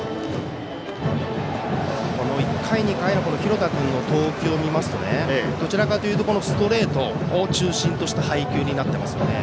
１回、２回の廣田君の投球を見ますとどちらかというとストレートを中心とした配球になっていますよね。